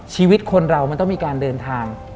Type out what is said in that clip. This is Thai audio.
ชีวิตคนเรามันต้องมีการเดินทาง